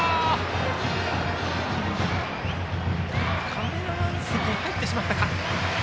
カメラマン席に入ってしまったか。